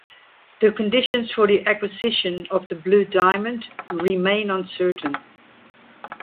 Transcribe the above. The conditions for the acquisition of the blue diamond remain uncertain.